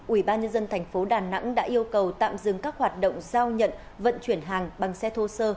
ubnd tp đà nẵng đã yêu cầu tạm dừng các hoạt động giao nhận vận chuyển hàng bằng xe thô sơ